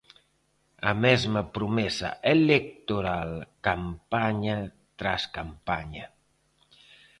A mesma promesa electoral campaña tras campaña.